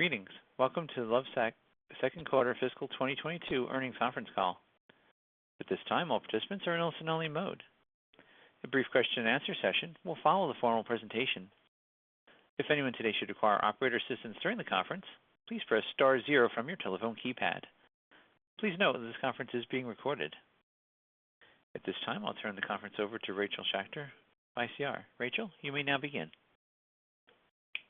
Greetings. Welcome to the Lovesac second quarter fiscal 2022 earnings conference call. At this time, I'll turn the conference over to Rachel Schacter, ICR. Rachel, you may now begin.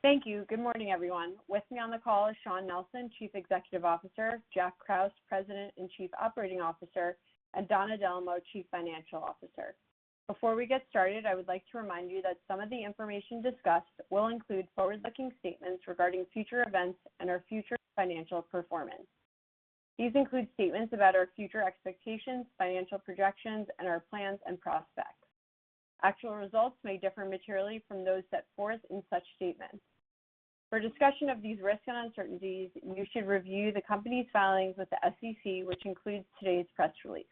Thank you. Good morning, everyone. With me on the call is Shawn Nelson, Chief Executive Officer, Jack Krause, President and Chief Operating Officer, and Donna Dellomo, Chief Financial Officer. Before we get started, I would like to remind you that some of the information discussed will include forward-looking statements regarding future events and our future financial performance. These include statements about our future expectations, financial projections, and our plans and prospects. Actual results may differ materially from those set forth in such statements. For discussion of these risks and uncertainties, you should review the company's filings with the SEC, which includes today's press release.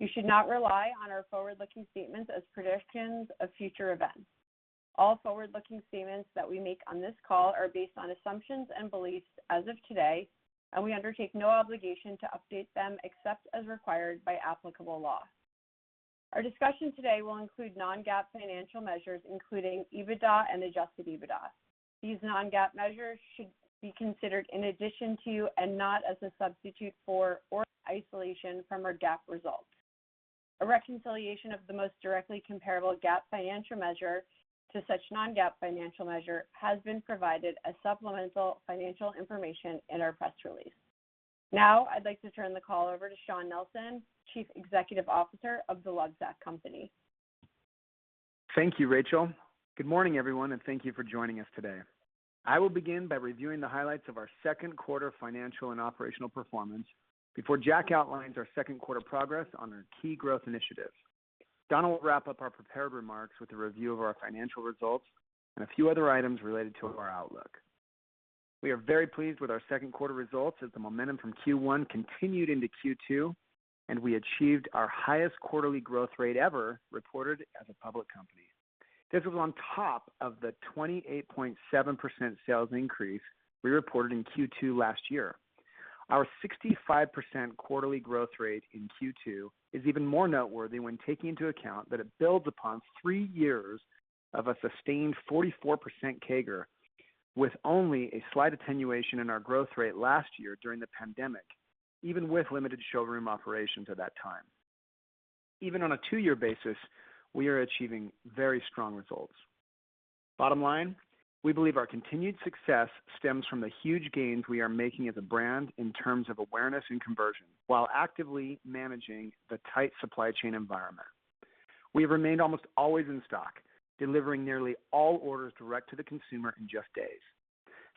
You should not rely on our forward-looking statements as predictions of future events. All forward-looking statements that we make on this call are based on assumptions and beliefs as of today, and we undertake no obligation to update them except as required by applicable law. Our discussion today will include non-GAAP financial measures, including EBITDA and adjusted EBITDA. These non-GAAP measures should be considered in addition to, and not as a substitute for or in isolation from, our GAAP results. A reconciliation of the most directly comparable GAAP financial measure to such non-GAAP financial measure has been provided as supplemental financial information in our press release. Now, I'd like to turn the call over to Shawn Nelson, Chief Executive Officer of The Lovesac Company. Thank you, Rachel. Good morning, everyone, and thank you for joining us today. I will begin by reviewing the highlights of our second quarter financial and operational performance before Jack outlines our second quarter progress on our key growth initiatives. Donna will wrap up our prepared remarks with a review of our financial results and a few other items related to our outlook. We are very pleased with our second quarter results as the momentum from Q1 continued into Q2, and we achieved our highest quarterly growth rate ever reported as a public company. This was on top of the 28.7% sales increase we reported in Q2 last year. Our 65% quarterly growth rate in Q2 is even more noteworthy when taking into account that it builds upon 3 years of a sustained 44% CAGR, with only a slight attenuation in our growth rate last year during the pandemic, even with limited showroom operations at that time. Even on a two-year basis, we are achieving very strong results. Bottom line, we believe our continued success stems from the huge gains we are making as a brand in terms of awareness and conversion while actively managing the tight supply chain environment. We have remained almost always in stock, delivering nearly all orders direct to the consumer in just days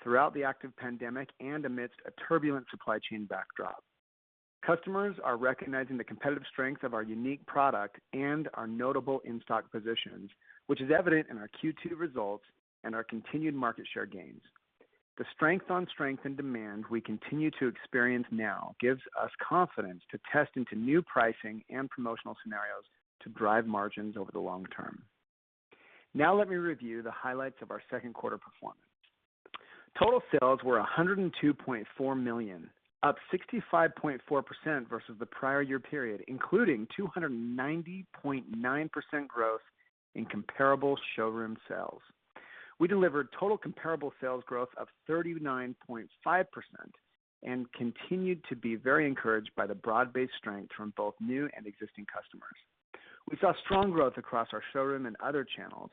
throughout the active pandemic and amidst a turbulent supply chain backdrop. Customers are recognizing the competitive strength of our unique product and our notable in-stock positions, which is evident in our Q2 results and our continued market share gains. The strength on strength and demand we continue to experience now gives us confidence to test into new pricing and promotional scenarios to drive margins over the long term. Let me review the highlights of our second quarter performance. Total sales were $102.4 million, up 65.4% versus the prior year period, including 290.9% growth in comparable showroom sales. We delivered total comparable sales growth of 39.5% and continued to be very encouraged by the broad-based strength from both new and existing customers. We saw strong growth across our showroom and other channels,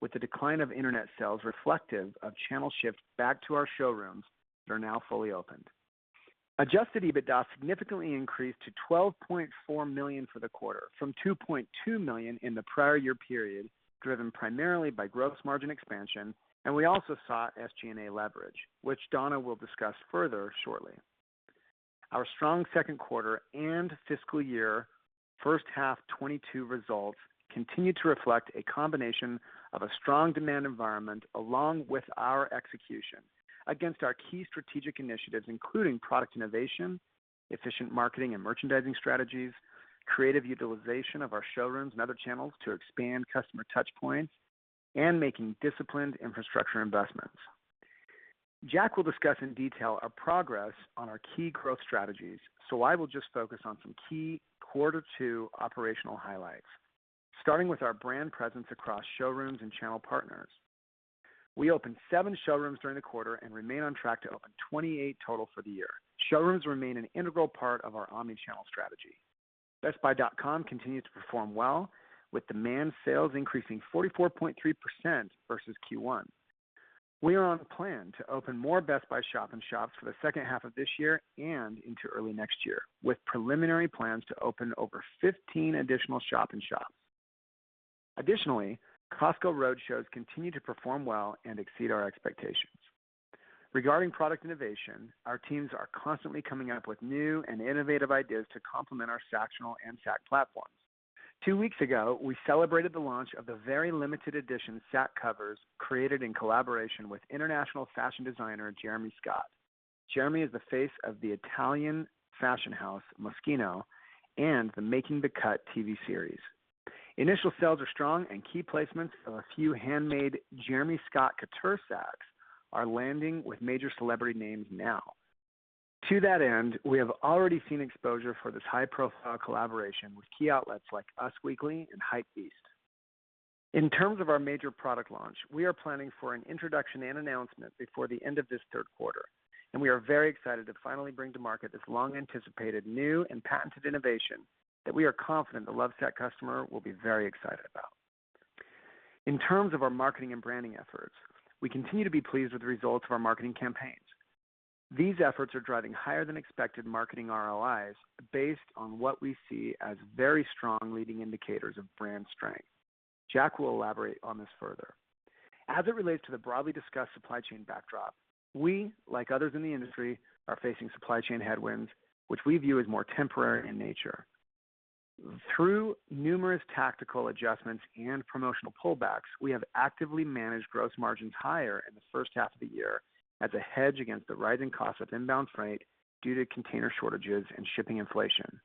with the decline of internet sales reflective of channel shifts back to our showrooms that are now fully opened. Adjusted EBITDA significantly increased to $12.4 million for the quarter from $2.2 million in the prior year period, driven primarily by gross margin expansion, and we also saw SG&A leverage, which Donna will discuss further shortly. Our strong second quarter and fiscal year first half 2022 results continue to reflect a combination of a strong demand environment along with our execution against our key strategic initiatives, including product innovation, efficient marketing and merchandising strategies, creative utilization of our showrooms and other channels to expand customer touchpoints, and making disciplined infrastructure investments. Jack will discuss in detail our progress on our key growth strategies, so I will just focus on some key quarter two operational highlights, starting with our brand presence across showrooms and channel partners. We opened seven showrooms during the quarter and remain on track to open 28 total for the year. Showrooms remain an integral part of our omnichannel strategy. BestBuy.com continues to perform well, with demand sales increasing 44.3% versus Q1. We are on plan to open more Best Buy shop-in-shops for the second half of this year and into early next year, with preliminary plans to open over 15 additional shop-in-shops. Costco roadshows continue to perform well and exceed our expectations. Regarding product innovation, our teams are constantly coming up with new and innovative ideas to complement our Sactionals and Sacs platforms. Two weeks ago, we celebrated the launch of the very limited edition Sacs covers created in collaboration with international fashion designer Jeremy Scott. Jeremy is the face of the Italian fashion house Moschino and the "Making the Cut" TV series. Initial sales are strong. Key placements of a few handmade Jeremy Scott couture Sacs are landing with major celebrity names now. To that end, we have already seen exposure for this high-profile collaboration with key outlets like Us Weekly and Hypebeast. In terms of our major product launch, we are planning for an introduction and announcement before the end of this third quarter, and we are very excited to finally bring to market this long-anticipated new and patented innovation that we are confident the Lovesac customer will be very excited about. In terms of our marketing and branding efforts, we continue to be pleased with the results of our marketing campaigns. These efforts are driving higher than expected marketing ROIs based on what we see as very strong leading indicators of brand strength. Jack will elaborate on this further. As it relates to the broadly discussed supply chain backdrop, we, like others in the industry, are facing supply chain headwinds, which we view as more temporary in nature. Through numerous tactical adjustments and promotional pullbacks, we have actively managed gross margins higher in the first half of the year as a hedge against the rising cost of inbound freight due to container shortages and shipping inflation.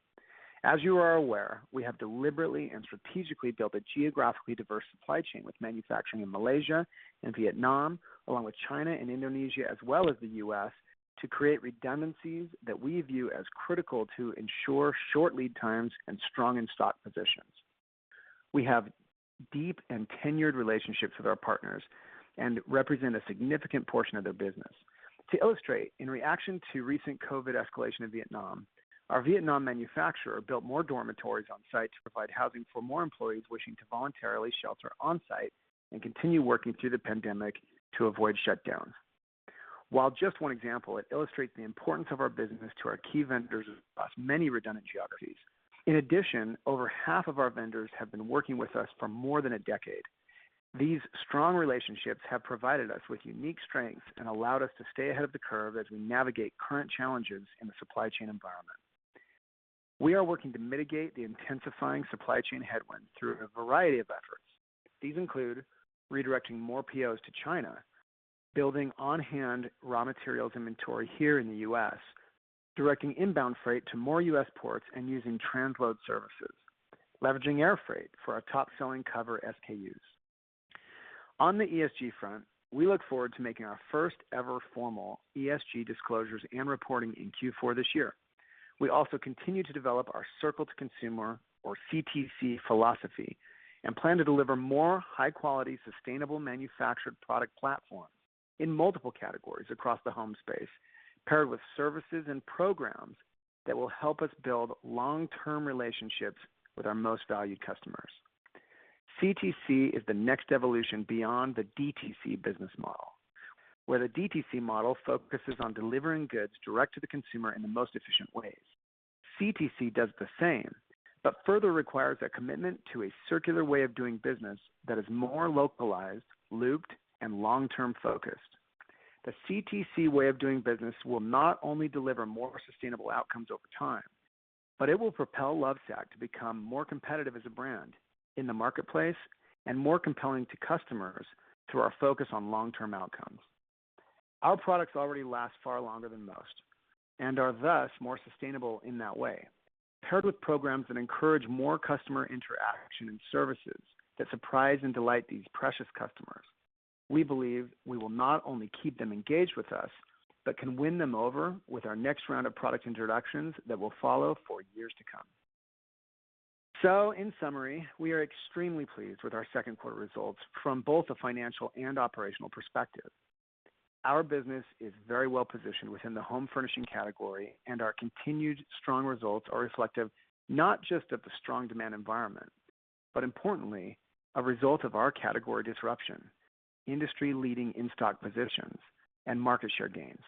As you are aware, we have deliberately and strategically built a geographically diverse supply chain with manufacturing in Malaysia and Vietnam, along with China and Indonesia, as well as the U.S., to create redundancies that we view as critical to ensure short lead times and strong in-stock positions. We have deep and tenured relationships with our partners and represent a significant portion of their business. To illustrate, in reaction to recent COVID-19 escalation in Vietnam, our Vietnam manufacturer built more dormitories on site to provide housing for more employees wishing to voluntarily shelter on site and continue working through the pandemic to avoid shutdowns. While just one example, it illustrates the importance of our business to our key vendors across many redundant geographies. In addition, over half of our vendors have been working with us for more than a decade. These strong relationships have provided us with unique strengths and allowed us to stay ahead of the curve as we navigate current challenges in the supply chain environment. We are working to mitigate the intensifying supply chain headwinds through a variety of efforts. These include redirecting more POs to China, building on-hand raw materials inventory here in the U.S., directing inbound freight to more U.S. ports and using transload services, leveraging air freight for our top-selling cover SKUs. On the ESG front, we look forward to making our first-ever formal ESG disclosures and reporting in Q4 this year. We also continue to develop our Circle to Consumer, or CTC philosophy, and plan to deliver more high-quality, sustainable manufactured product platforms in multiple categories across the home space, paired with services and programs that will help us build long-term relationships with our most valued customers. CTC is the next evolution beyond the DTC business model, where the DTC model focuses on delivering goods direct to the consumer in the most efficient ways. CTC does the same, but further requires a commitment to a circular way of doing business that is more localized, looped, and long-term focused. The CTC way of doing business will not only deliver more sustainable outcomes over time, but it will propel Lovesac to become more competitive as a brand in the marketplace and more compelling to customers through our focus on long-term outcomes. Our products already last far longer than most and are thus more sustainable in that way. Paired with programs that encourage more customer interaction and services that surprise and delight these precious customers, we believe we will not only keep them engaged with us, but can win them over with our next round of product introductions that will follow for years to come. In summary, we are extremely pleased with our second quarter results from both a financial and operational perspective. Our business is very well positioned within the home furnishing category, and our continued strong results are reflective not just of the strong demand environment, but importantly, a result of our category disruption, industry-leading in-stock positions, and market share gains.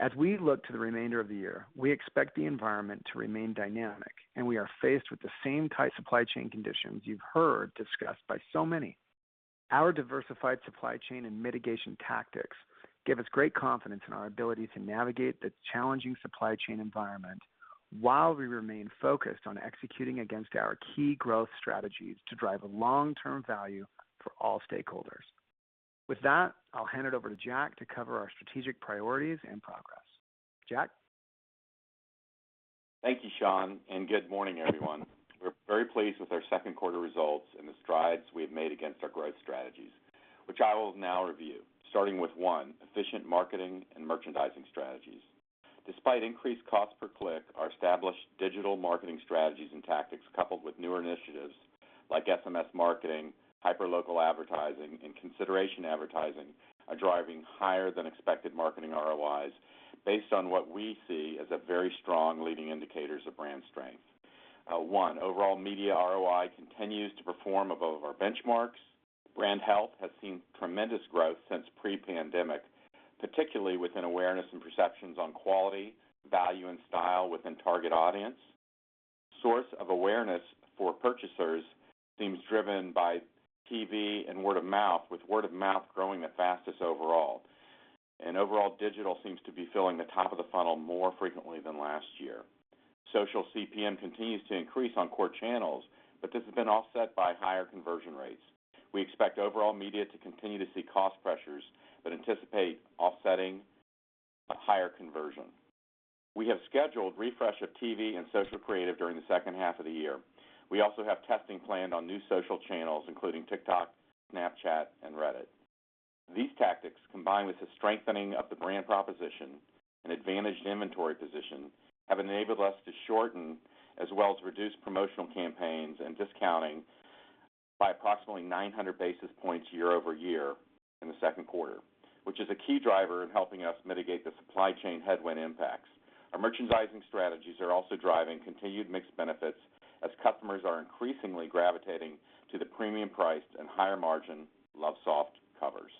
As we look to the remainder of the year, we expect the environment to remain dynamic, we are faced with the same tight supply chain conditions you've heard discussed by so many. Our diversified supply chain and mitigation tactics give us great confidence in our ability to navigate the challenging supply chain environment while we remain focused on executing against our key growth strategies to drive a long-term value for all stakeholders. With that, I'll hand it over to Jack to cover our strategic priorities and progress. Jack? Thank you, Shawn, Good morning, everyone. We're very pleased with our second quarter results and the strides we have made against our growth strategies, which I will now review, starting with 1, efficient marketing and merchandising strategies. Despite increased cost per click, our established digital marketing strategies and tactics, coupled with newer initiatives like SMS marketing, hyperlocal advertising, and consideration advertising, are driving higher than expected marketing ROIs based on what we see as a very strong leading indicators of brand strength. One, overall media ROI continues to perform above our benchmarks. Brand health has seen tremendous growth since pre-pandemic, particularly within awareness and perceptions on quality, value, and style within target audience. Source of awareness for purchasers seems driven by TV and word of mouth, with word of mouth growing the fastest overall. Overall digital seems to be filling the top of the funnel more frequently than last year. Social CPM continues to increase on core channels, but this has been offset by higher conversion rates. We expect overall media to continue to see cost pressures, but anticipate offsetting a higher conversion. We have scheduled refresh of TV and social creative during the second half of the year. We also have testing planned on new social channels, including TikTok, Snapchat, and Reddit. These tactics, combined with the strengthening of the brand proposition and advantaged inventory position, have enabled us to shorten as well as reduce promotional campaigns and discounting by approximately 900 basis points year-over-year in the second quarter, which is a key driver in helping us mitigate the supply chain headwind impacts. Our merchandising strategies are also driving continued mixed benefits as customers are increasingly gravitating to the premium priced and higher margin LoveSoft covers.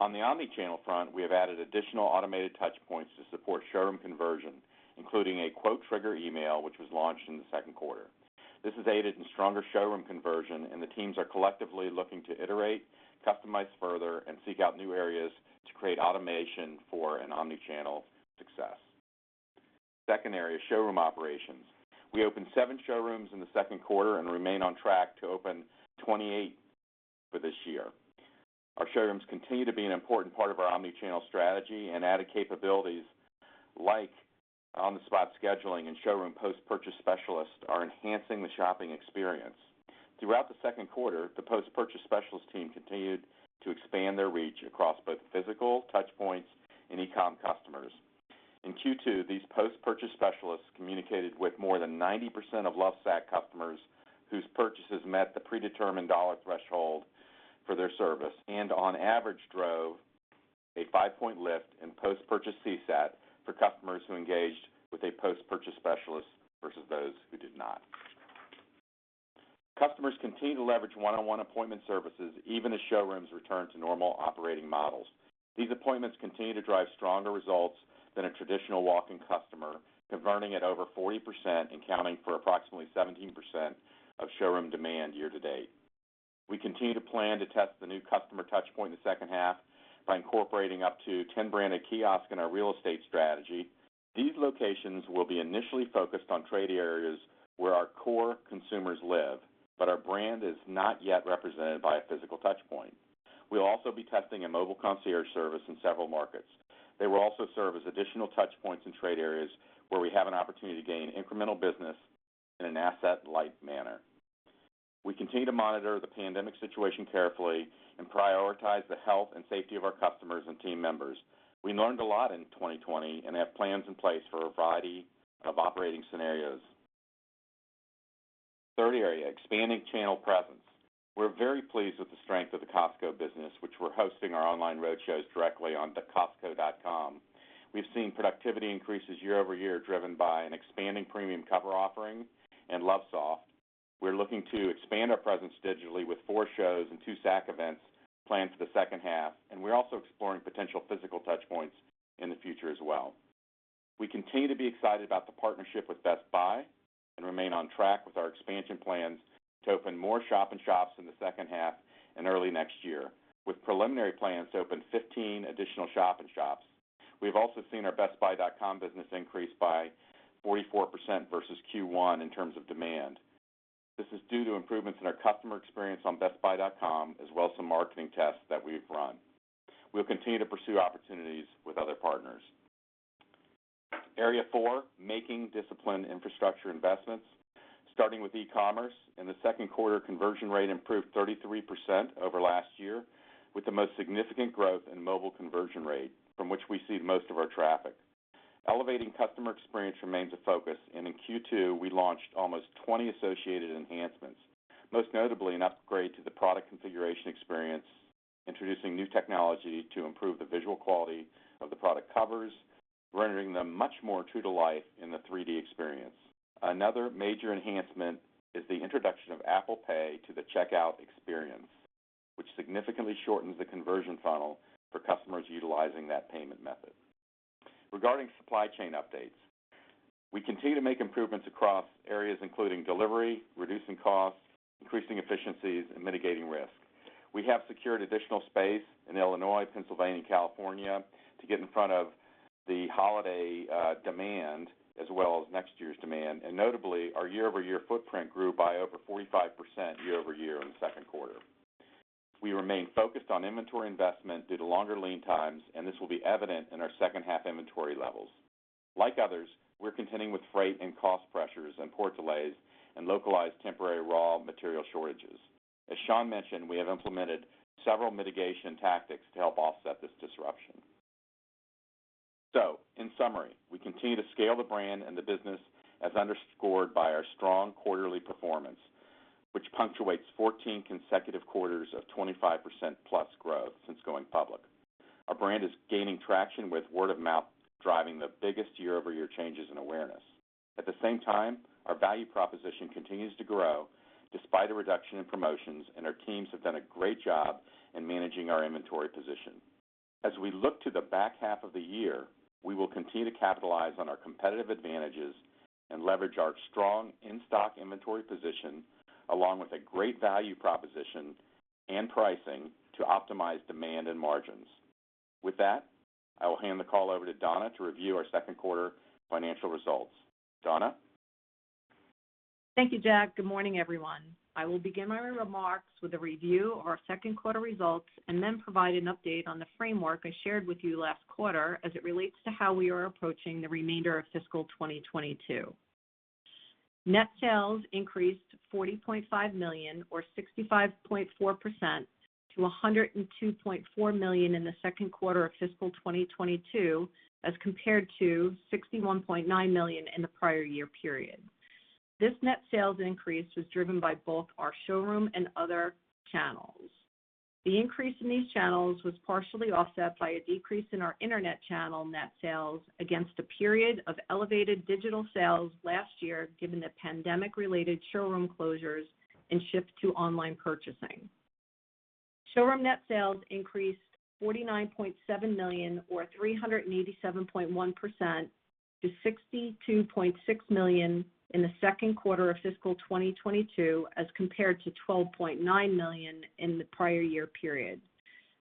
On the omni-channel front, we have added additional automated touch points to support showroom conversion, including a quote trigger email, which was launched in the second quarter. This has aided in stronger showroom conversion, and the teams are collectively looking to iterate, customize further, and seek out new areas to create automation for an omni-channel success. Second area, showroom operations. We opened seven showrooms in the second quarter and remain on track to open 28 for this year. Our showrooms continue to be an important part of our omni-channel strategy, and added capabilities like on-the-spot scheduling and showroom post-purchase specialists are enhancing the shopping experience. Throughout the second quarter, the post-purchase specialist team continued to expand their reach across both physical touch points and e-com customers. In Q2, these post-purchase specialists communicated with more than 90% of Lovesac customers whose purchases met the predetermined dollar threshold for their service, and on average, drove a five-point lift in post-purchase CSAT for customers who engaged with a post-purchase specialist versus those who did not. Customers continue to leverage one-on-one appointment services, even as showrooms return to normal operating models. These appointments continue to drive stronger results than a traditional walk-in customer, converting at over 40% and accounting for approximately 17% of showroom demand year-to-date. We continue to plan to test the new customer touch point in the second half by incorporating up to 10 branded kiosks in our real estate strategy. These locations will be initially focused on trade areas where our core consumers live, but our brand is not yet represented by a physical touch point. We'll also be testing a mobile concierge service in several markets. They will also serve as additional touch points in trade areas where we have an opportunity to gain incremental business in an asset-light manner. We continue to monitor the pandemic situation carefully and prioritize the health and safety of our customers and team members. We learned a lot in 2020 and have plans in place for a variety of operating scenarios. Third area, expanding channel presence. We're very pleased with the strength of the Costco business, which we're hosting our online roadshows directly on Costco.com. We've seen productivity increases year-over-year, driven by an expanding premium cover offering and LoveSoft. We're looking to expand our presence digitally with four shows and two Sacs events planned for the second half, and we're also exploring potential physical touch points in the future as well. We continue to be excited about the partnership with Best Buy and remain on track with our expansion plans to open more shop-in-shops in the second half and early next year, with preliminary plans to open 15 additional shop-in-shops. We've also seen our BestBuy.com business increase by 44% versus Q1 in terms of demand. This is due to improvements in our customer experience on BestBuy.com, as well as some marketing tests that we've run. We'll continue to pursue opportunities with other partners. Area four, making disciplined infrastructure investments, starting with e-commerce. In the second quarter, conversion rate improved 33% over last year, with the most significant growth in mobile conversion rate, from which we see most of our traffic. Elevating customer experience remains a focus, and in Q2, we launched almost 20 associated enhancements, most notably an upgrade to the product configuration experience, introducing new technology to improve the visual quality of the product covers, rendering them much more true to life in the 3D experience. Another major enhancement is the introduction of Apple Pay to the checkout experience, which significantly shortens the conversion funnel for customers utilizing that payment method. Regarding supply chain updates, we continue to make improvements across areas including delivery, reducing costs, increasing efficiencies, and mitigating risk. We have secured additional space in Illinois, Pennsylvania, and California to get in front of the holiday demand as well as next year's demand. Notably, our year-over-year footprint grew by over 45% year-over-year in the second quarter. We remain focused on inventory investment due to longer lead times, and this will be evident in our second-half inventory levels. Like others, we're contending with freight and cost pressures and port delays and localized temporary raw material shortages. As Shawn mentioned, we have implemented several mitigation tactics to help offset this disruption. In summary, we continue to scale the brand and the business as underscored by our strong quarterly performance, which punctuates 14 consecutive quarters of 25%+ growth since going public. Our brand is gaining traction with word of mouth driving the biggest year-over-year changes in awareness. At the same time, our value proposition continues to grow despite a reduction in promotions, and our teams have done a great job in managing our inventory position. As we look to the back half of the year, we will continue to capitalize on our competitive advantages and leverage our strong in-stock inventory position, along with a great value proposition and pricing to optimize demand and margins. With that, I will hand the call over to Donna to review our second quarter financial results. Donna? Thank you, Jack. Good morning, everyone. I will begin my remarks with a review of our second quarter results and then provide an update on the framework I shared with you last quarter as it relates to how we are approaching the remainder of Fiscal 2022. Net sales increased to $40.5 million or 65.4% to $102.4 million in the second quarter of Fiscal 2022, as compared to $61.9 million in the prior year period. This net sales increase was driven by both our showroom and other channels. The increase in these channels was partially offset by a decrease in our Internet channel net sales against a period of elevated digital sales last year, given the pandemic-related showroom closures and shift to online purchasing. Showroom net sales increased $49.7 million or 387.1% to $62.6 million in the second quarter of fiscal 2022, as compared to $12.9 million in the prior year period.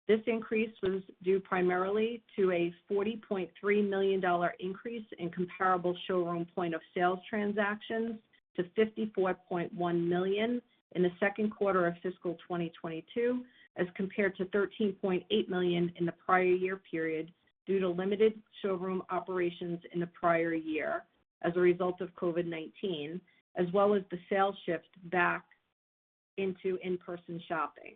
This increase was due primarily to a $40.3 million increase in comparable showroom point-of-sales transactions to $54.1 million in the second quarter of fiscal 2022, as compared to $13.8 million in the prior year period, due to limited showroom operations in the prior year as a result of COVID-19, as well as the sales shift back into in-person shopping.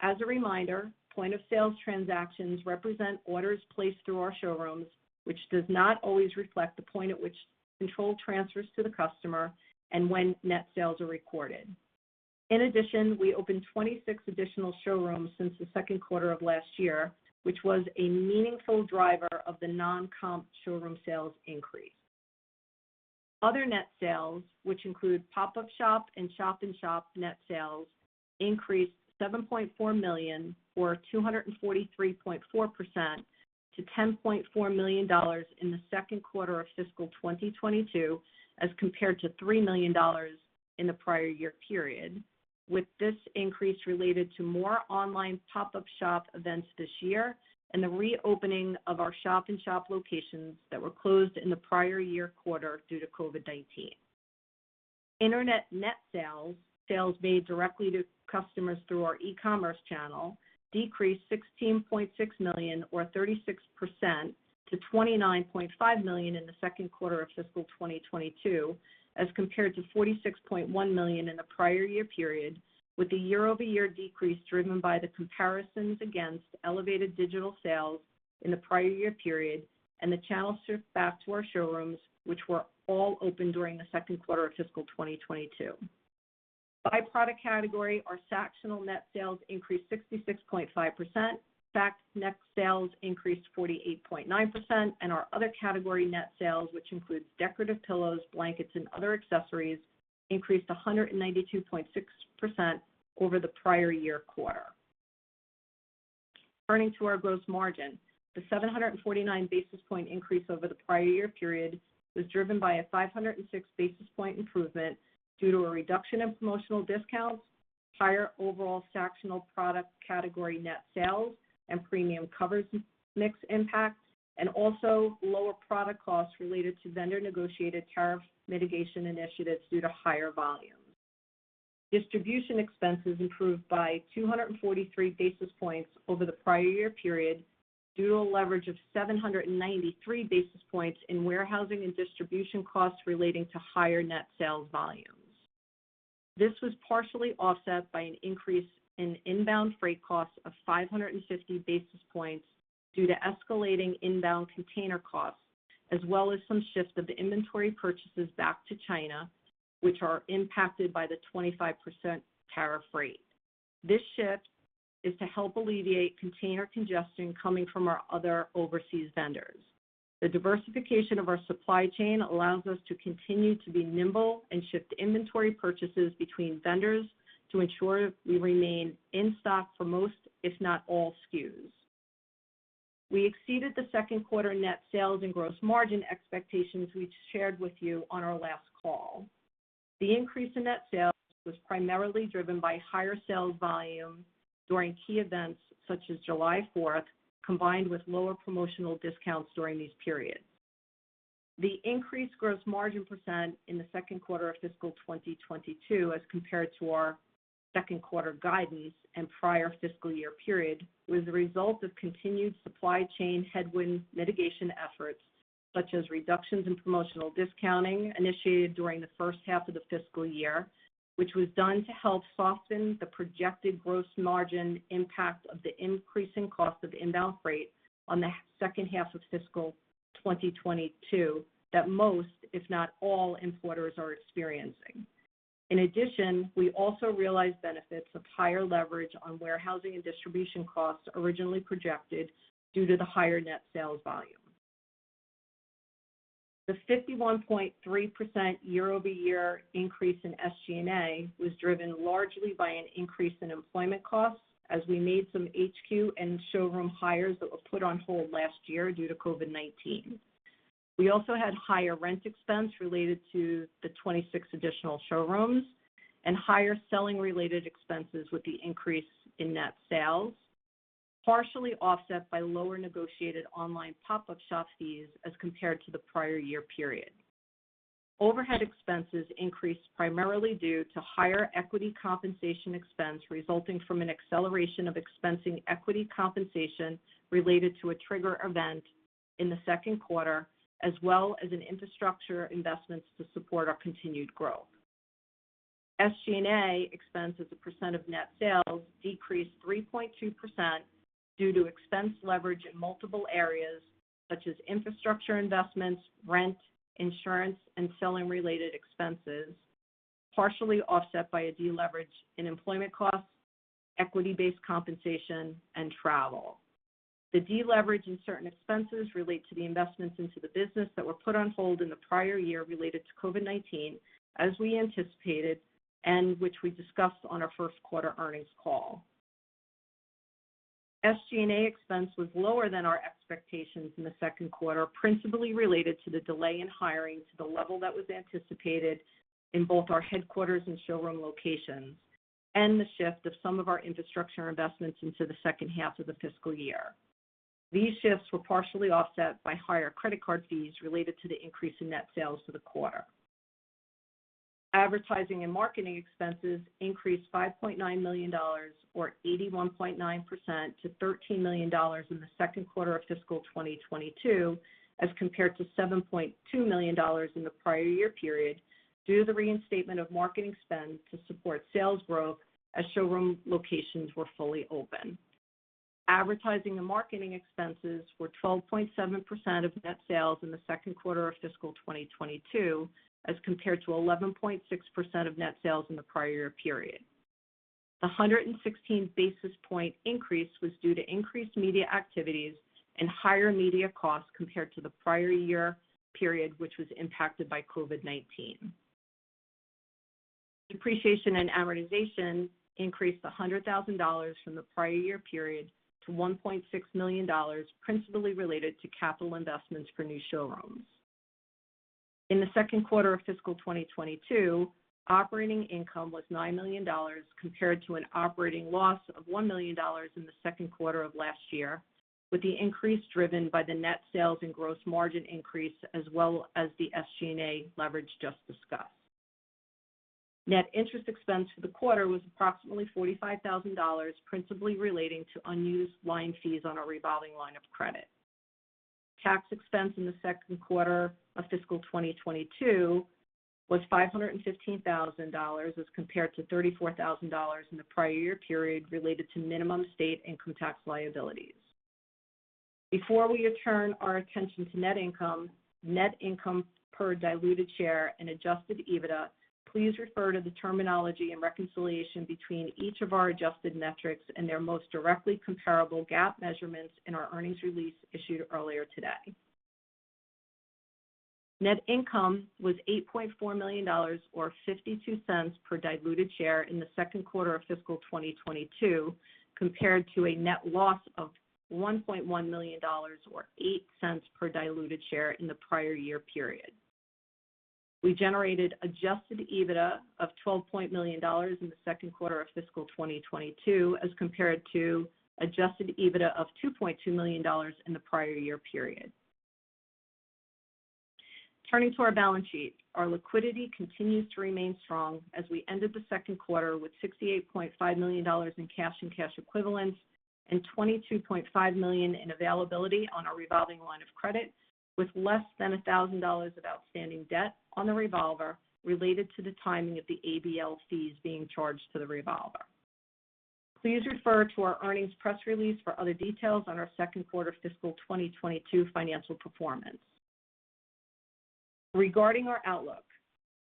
As a reminder, point-of-sales transactions represent orders placed through our showrooms, which does not always reflect the point at which control transfers to the customer and when net sales are recorded. In addition, we opened 26 additional showrooms since the second quarter of last year, which was a meaningful driver of the non-comp showroom sales increase. Other net sales, which include pop-up shop and shop-in-shop net sales, increased $7.4 million or 243.4% to $10.4 million in the second quarter of Fiscal 2022, as compared to $3 million in the prior year period. With this increase related to more online pop-up shop events this year and the reopening of our shop-in-shop locations that were closed in the prior year quarter due to COVID-19. Internet net sales made directly to customers through our e-commerce channel, decreased $16.6 million or 36% to $29.5 million in the second quarter of fiscal 2022, as compared to $46.1 million in the prior year period, with the year-over-year decrease driven by the comparisons against elevated digital sales in the prior year period and the channels shift back to our showrooms, which were all open during the second quarter of fiscal 2022. By product category, our Sactionals net sales increased 66.5%, Sacs net sales increased 48.9%, and our other category net sales, which includes decorative pillows, blankets, and other accessories, increased 192.6% over the prior year quarter. Turning to our gross margin, the 749 basis point increase over the prior year period was driven by a 506 basis point improvement due to a reduction in promotional discounts, higher overall Sactionals product category net sales and premium covers mix impacts, and also lower product costs related to vendor-negotiated tariff mitigation initiatives due to higher volumes. Distribution expenses improved by 243 basis points over the prior year period due to a leverage of 793 basis points in warehousing and distribution costs relating to higher net sales volumes. This was partially offset by an increase in inbound freight costs of 550 basis points due to escalating inbound container costs, as well as some shift of the inventory purchases back to China, which are impacted by the 25% tariff rate. This shift is to help alleviate container congestion coming from our other overseas vendors. The diversification of our supply chain allows us to continue to be nimble and shift inventory purchases between vendors to ensure we remain in stock for most, if not all SKUs. We exceeded the second quarter net sales and gross margin expectations we'd shared with you on our last call. The increase in net sales was primarily driven by higher sales volume during key events such as July 4th, combined with lower promotional discounts during these periods. The increased gross margin percent in the second quarter of fiscal 2022 as compared to our second quarter guidance and prior fiscal year period, was the result of continued supply chain headwind mitigation efforts, such as reductions in promotional discounting initiated during the first half of the fiscal year, which was done to help soften the projected gross margin impact of the increase in cost of inbound freight on the second half of fiscal 2022, that most, if not all importers are experiencing. In addition, we also realized benefits of higher leverage on warehousing and distribution costs originally projected due to the higher net sales volume. The 51.3% year-over-year increase in SG&A was driven largely by an increase in employment costs as we made some HQ and showroom hires that were put on hold last year due to COVID-19. We also had higher rent expense related to the 26 additional showrooms, and higher selling-related expenses with the increase in net sales, partially offset by lower negotiated online pop-up shop fees as compared to the prior year period. Overhead expenses increased primarily due to higher equity compensation expense resulting from an acceleration of expensing equity compensation related to a trigger event in the second quarter, as well as in infrastructure investments to support our continued growth. SG&A expense as a percentage of net sales decreased 3.2% due to expense leverage in multiple areas such as infrastructure investments, rent, insurance, and selling-related expenses, partially offset by a deleverage in employment costs, equity-based compensation, and travel. The deleverage in certain expenses relate to the investments into the business that were put on hold in the prior year related to COVID-19, as we anticipated, and which we discussed on our first quarter earnings call. SG&A expense was lower than our expectations in the second quarter, principally related to the delay in hiring to the level that was anticipated in both our headquarters and showroom locations, and the shift of some of our infrastructure investments into the second half of the fiscal year. These shifts were partially offset by higher credit card fees related to the increase in net sales for the quarter. Advertising and marketing expenses increased $5.9 million, or 81.9%, to $13 million in the second quarter of fiscal 2022, as compared to $7.2 million in the prior year period, due to the reinstatement of marketing spend to support sales growth as showroom locations were fully open. Advertising and marketing expenses were 12.7% of net sales in the second quarter of fiscal 2022, as compared to 11.6% of net sales in the prior year period. A 116 basis point increase was due to increased media activities and higher media costs compared to the prior year period, which was impacted by COVID-19. Depreciation and amortization increased $100,000 from the prior year period to $1.6 million, principally related to capital investments for new showrooms. In the second quarter of fiscal 2022, operating income was $9 million, compared to an operating loss of $1 million in the second quarter of last year, with the increase driven by the net sales and gross margin increase, as well as the SG&A leverage just discussed. Net interest expense for the quarter was approximately $45,000, principally relating to unused line fees on our revolving line of credit. Tax expense in the second quarter of fiscal 2022 was $515,000 as compared to $34,000 in the prior year period, related to minimum state income tax liabilities. Before we turn our attention to net income, net income per diluted share, and adjusted EBITDA, please refer to the terminology and reconciliation between each of our adjusted metrics and their most directly comparable GAAP measurements in our earnings release issued earlier today. Net income was $8.4 million, or $0.52 per diluted share in the second quarter of fiscal 2022, compared to a net loss of $1.1 million, or $0.08 per diluted share in the prior year period. We generated adjusted EBITDA of $12.9 million in the second quarter of fiscal 2022 as compared to adjusted EBITDA of $2.2 million in the prior year period. Turning to our balance sheet. Our liquidity continues to remain strong as we ended the second quarter with $68.5 million in cash and cash equivalents, and $22.5 million in availability on our revolving line of credit, with less than $1,000 of outstanding debt on the revolver related to the timing of the ABL fees being charged to the revolver. Please refer to our earnings press release for other details on our second quarter fiscal 2022 financial performance. Regarding our outlook,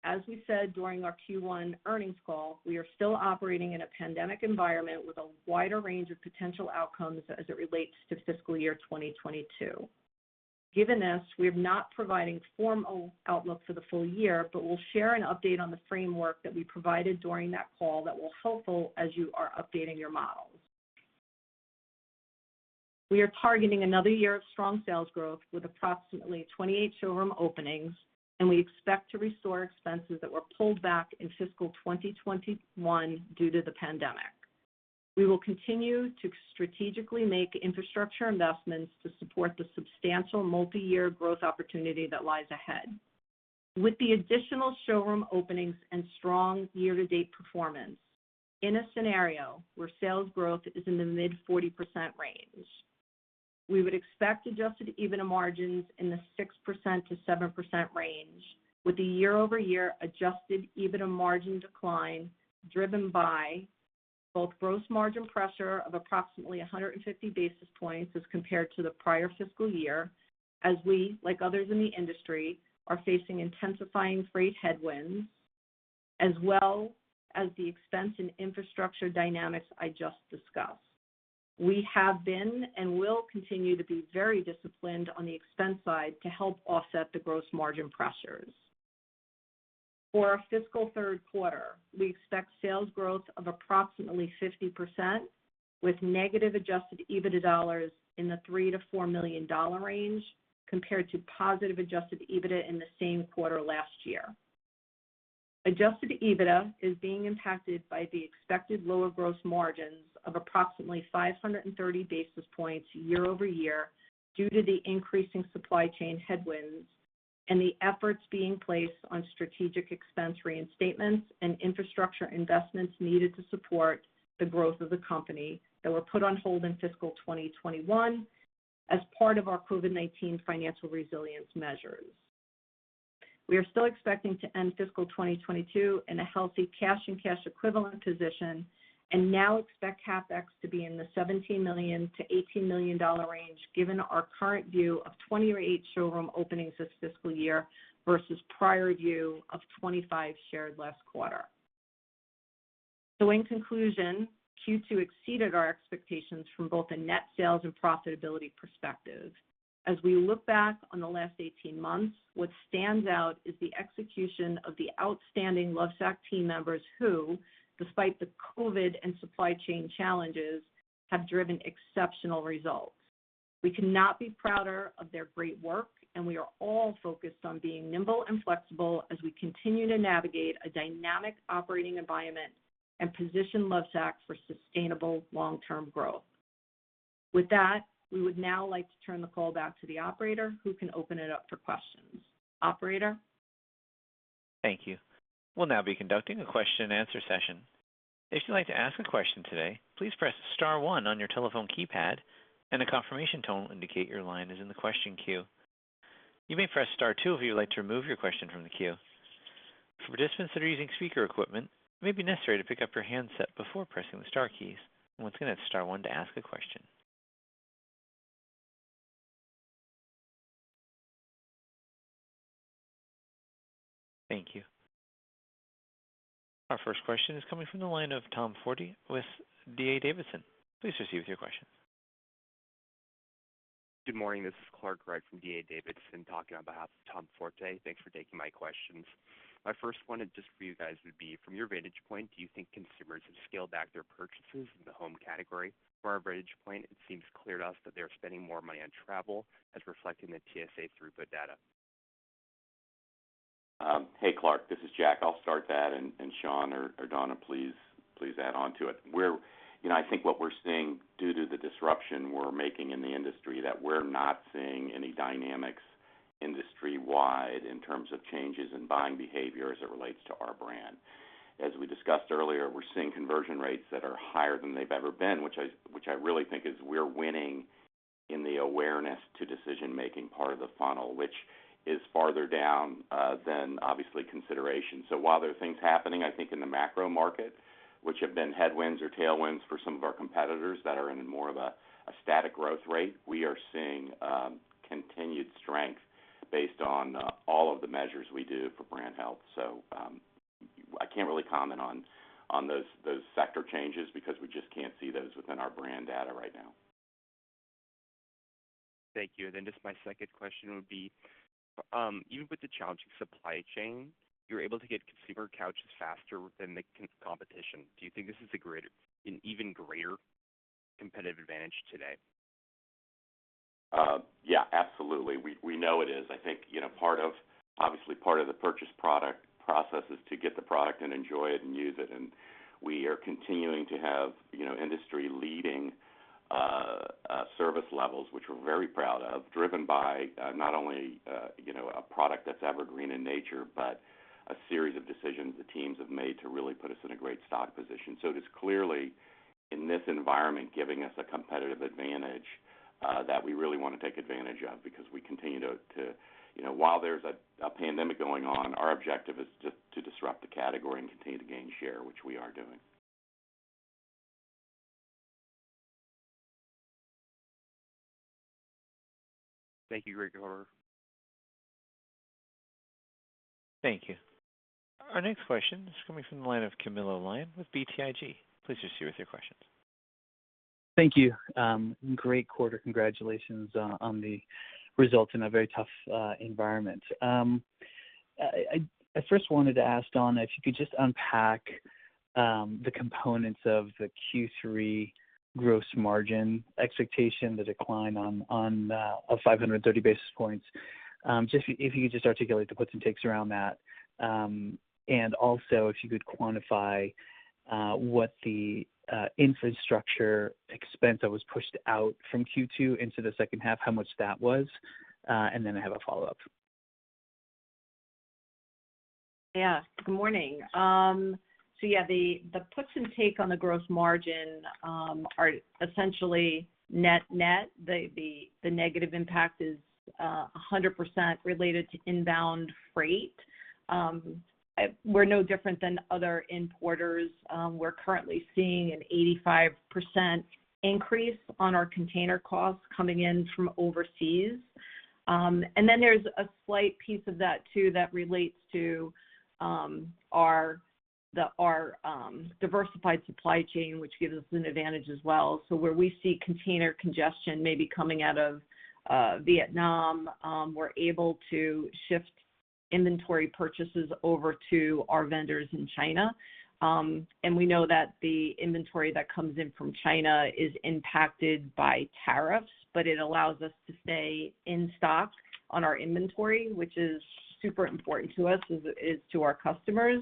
as we said during our Q1 earnings call, we are still operating in a pandemic environment with a wider range of potential outcomes as it relates to fiscal year 2022. Given this, we are not providing formal outlook for the full year, but we'll share an update on the framework that we provided during that call that will helpful as you are updating your models. We are targeting another year of strong sales growth with approximately 28 showroom openings, and we expect to restore expenses that were pulled back in Fiscal 2021 due to the pandemic. We will continue to strategically make infrastructure investments to support the substantial multiyear growth opportunity that lies ahead. With the additional showroom openings and strong year-to-date performance, in a scenario where sales growth is in the mid-40% range, we would expect adjusted EBITDA margins in the 6%-7% range with a year-over-year adjusted EBITDA margin decline driven by both gross margin pressure of approximately 150 basis points as compared to the prior fiscal year, as we, like others in the industry, are facing intensifying freight headwinds, as well as the expense in infrastructure dynamics I just discussed. We have been, and will continue to be, very disciplined on the expense side to help offset the gross margin pressures. For our fiscal third quarter, we expect sales growth of approximately 50%, with negative adjusted EBITDA dollars in the $3 million-$4 million range, compared to positive adjusted EBITDA in the same quarter last year. Adjusted EBITDA is being impacted by the expected lower gross margins of approximately 530 basis points year-over-year, due to the increasing supply chain headwinds and the efforts being placed on strategic expense reinstatements and infrastructure investments needed to support the growth of the company that were put on hold in fiscal 2021 as part of our COVID-19 financial resilience measures. We are still expecting to end fiscal 2022 in a healthy cash and cash equivalent position and now expect CapEx to be in the $17 million-$18 million range, given our current view of 28 showroom openings this fiscal year versus prior view of 25 shared last quarter. In conclusion, Q2 exceeded our expectations from both a net sales and profitability perspective. As we look back on the last 18 months, what stands out is the execution of the outstanding Lovesac team members who, despite the COVID and supply chain challenges, have driven exceptional results. We could not be prouder of their great work, and we are all focused on being nimble and flexible as we continue to navigate a dynamic operating environment and position Lovesac for sustainable long-term growth. With that, we would now like to turn the call back to the operator, who can open it up for questions. Operator? Our first question is coming from the line of Tom Forte with D.A. Davidson. Please proceed with your question. Good morning. This is Clark Wright from D.A. Davidson, talking on behalf of Tom Forte. Thanks for taking my questions. My first one just for you guys would be, from your vantage point, do you think consumers have scaled back their purchases in the home category? From our vantage point, it seems clear to us that they are spending more money on travel, as reflected in the TSA throughput data. Hey, Clark. This is Jack. I'll start that, and Shawn or Donna, please add onto it. I think what we're seeing due to the disruption we're making in the industry, that we're not seeing any dynamics industry-wide in terms of changes in buying behavior as it relates to our brand. As we discussed earlier, we're seeing conversion rates that are higher than they've ever been, which I really think is we're winning in the awareness to decision-making part of the funnel, which is farther down than, obviously, consideration. While there are things happening, I think, in the macro market, which have been headwinds or tailwinds for some of our competitors that are in more of a static growth rate, we are seeing continued strength based on all of the measures we do for brand health. I can't really comment on those sector changes because we just can't see those within our brand data right now. Thank you. Just my second question would be, even with the challenging supply chain, you're able to get consumer couches faster than the competition. Do you think this is an even greater competitive advantage today? Yeah, absolutely. We know it is. I think, obviously, part of the purchase process is to get the product and enjoy it and use it. We are continuing to have industry-leading service levels, which we're very proud of, driven by not only a product that's evergreen in nature, but a series of decisions the teams have made to really put us in a great stock position. It is clearly, in this environment, giving us a competitive advantage that we really want to take advantage of because while there's a pandemic going on, our objective is to disrupt the category and continue to gain share, which we are doing. Thank you. Great quarter. Thank you. Our next question is coming from the line of Camilo Lyon with BTIG. Please proceed with your questions. Thank you. Great quarter. Congratulations on the results in a very tough environment. I first wanted to ask Donna Dellomo if you could just unpack the components of the Q3 gross margin expectation, the decline of 530 basis points. If you could just articulate the puts and takes around that. Also, if you could quantify what the infrastructure expense that was pushed out from Q2 into the second half, how much that was. Then I have a follow-up. Good morning. The puts and take on the gross margin are essentially net-net. The negative impact is 100% related to inbound freight. We're no different than other importers. We're currently seeing an 85% increase on our container costs coming in from overseas. There's a slight piece of that, too, that relates to our diversified supply chain, which gives us an advantage as well. Where we see container congestion maybe coming out of Vietnam, we're able to shift inventory purchases over to our vendors in China. We know that the inventory that comes in from China is impacted by tariffs, but it allows us to stay in stock on our inventory, which is super important to us, as it is to our customers.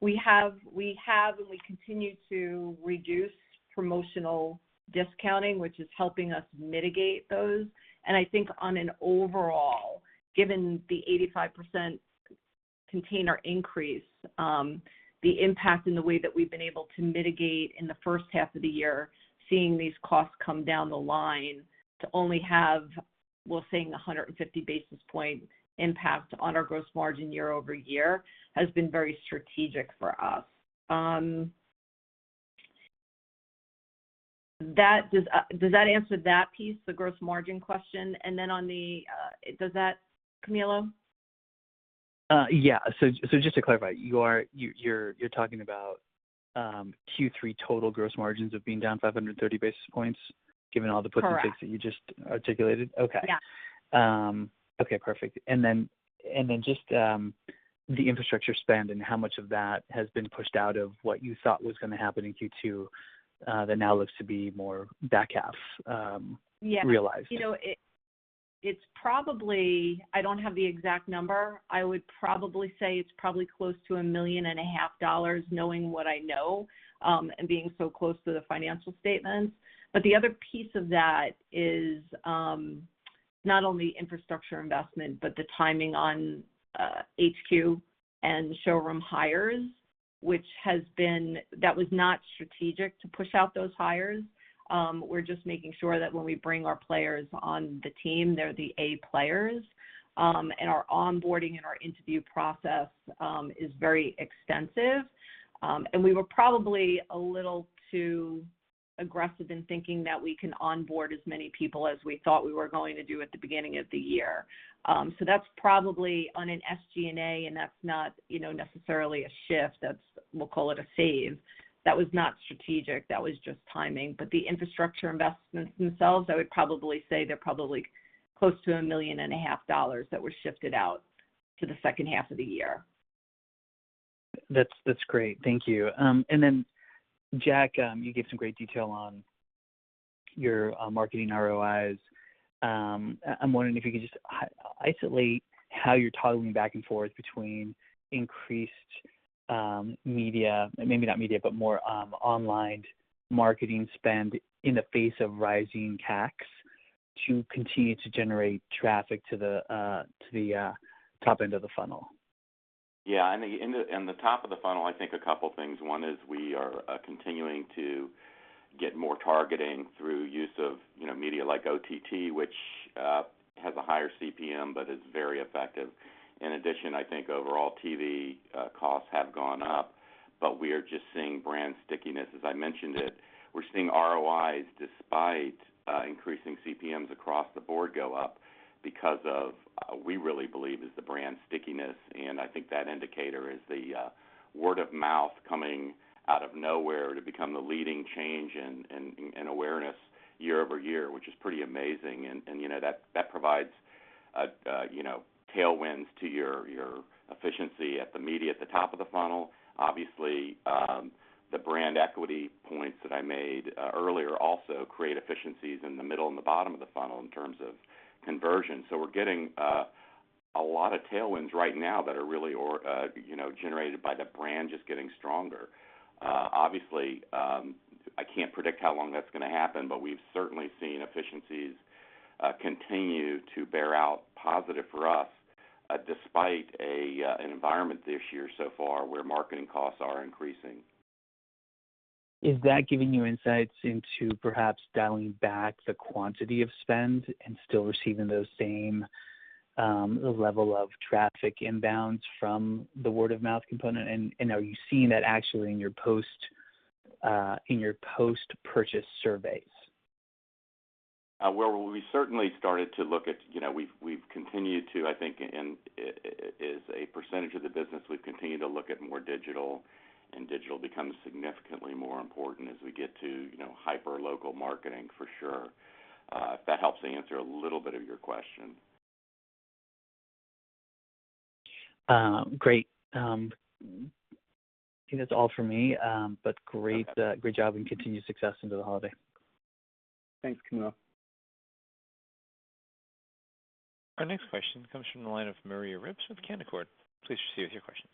We have and we continue to reduce promotional discounting, which is helping us mitigate those. I think on an overall, given the 85% container increase, the impact and the way that we've been able to mitigate in the first half of the year, seeing these costs come down the line to only have, we're seeing 150 basis point impact on our gross margin year-over-year, has been very strategic for us. Does that answer that piece, the gross margin question? Does that, Camilo? Yeah. Just to clarify, you're talking about Q3 total gross margins of being down 530 basis points. Correct Takes that you just articulated? Okay. Yeah. Okay, perfect. Just the infrastructure spend and how much of that has been pushed out of what you thought was going to happen in Q2, that now looks to be more back half realized. Yeah. It's probably I don't have the exact number. I would probably say it's probably close to a million and a half dollars, knowing what I know, and being so close to the financial statements. The other piece of that is, not only infrastructure investment, but the timing on HQ and showroom hires, that was not strategic to push out those hires. We're just making sure that when we bring our players on the team, they're the A players. Our onboarding and our interview process is very extensive. We were probably a little too aggressive in thinking that we can onboard as many people as we thought we were going to do at the beginning of the year. That's probably on an SG&A, and that's not necessarily a shift, we'll call it a save. That was not strategic. That was just timing. The infrastructure investments themselves, I would probably say they're probably close to a million and a half dollars that were shifted out to the second half of the year. That's great. Thank you. And then Jack, you gave some great detail on your marketing ROIs. I'm wondering if you could just isolate how you're toggling back and forth between increased media, maybe not media, but more online marketing spend in the face of rising CPMs to continue to generate traffic to the top end of the funnel. Yeah, in the top of the funnel, I think a couple things. One is we are continuing to get more targeting through use of media-like OTT, which has a higher CPM, but is very effective. In addition, I think overall TV costs have gone up, but we are just seeing brand stickiness, as I mentioned it. We're seeing ROIs despite increasing CPMs across the board go up because of, we really believe, is the brand stickiness, and I think that indicator is the word of mouth coming out of nowhere to become the leading change in awareness year-over-year, which is pretty amazing. That provides tailwinds to your efficiency at the media at the top of the funnel. Obviously, the brand equity points that I made earlier also create efficiencies in the middle and the bottom of the funnel in terms of conversion. We're getting a lot of tailwinds right now that are really generated by the brand just getting stronger. Obviously, I can't predict how long that's going to happen, but we've certainly seen efficiencies continue to bear out positive for us, despite an environment this year so far where marketing costs are increasing. Is that giving you insights into perhaps dialing back the quantity of spend and still receiving those same level of traffic inbounds from the word of mouth component? Are you seeing that actually in your post-purchase surveys? Well, we certainly started to look at, we've continued to, I think, and as a percentage of the business, we've continued to look at more digital, and digital becomes significantly more important as we get to hyper local marketing for sure. If that helps to answer a little bit of your question. Great. I think that's all for me. Great job and continued success into the holiday. Thanks, Camilo. Our next question comes from the line of Maria Ripps with Canaccord Genuity. Please proceed with your question.